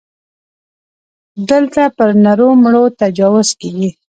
دلته پر نرو مړو تجاوز کېږي.